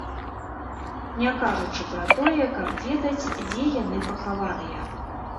Не кажучы пра тое, каб ведаць, дзе яны пахаваныя.